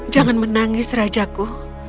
jangan menangis rajaku